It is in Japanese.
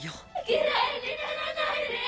きらいにならないで。